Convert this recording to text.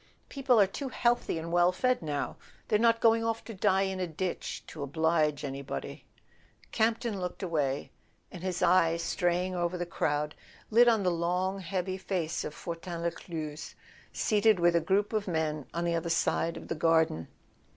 People are too healthy and well fed now; they're not going off to die in a ditch to oblige anybody." Campton looked away, and his eye, straying over the crowd, lit on the long heavy face of Fortin Lescluze, seated with a group of men on the other side of the garden.